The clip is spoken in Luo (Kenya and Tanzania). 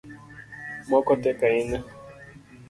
Moko tek ahinya